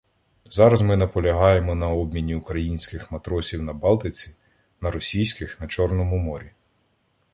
Зараз ми наполягаємо на обміні українських матросів на Балтиці на російських на Чорному морі.